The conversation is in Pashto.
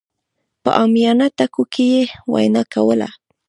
په عاميانه ټکو کې يې وينا کوله.